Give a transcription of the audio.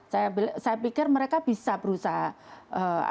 saya pikir mereka bisa berusaha